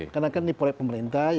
karena kan ini proyek pemerintah